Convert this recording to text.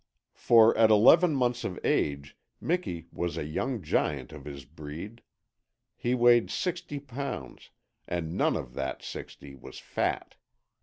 For at eleven months of age Miki was a young giant of his breed. He weighed sixty pounds, and none of that sixty was fat.